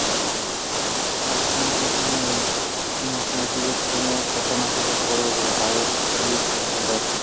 Allí pintó escenas más imaginativas como personajes de cuentos de hadas y castillos encantados.